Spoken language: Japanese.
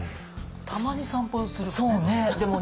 たまに散歩するわね。